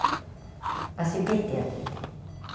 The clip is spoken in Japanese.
足ピッてやってみて。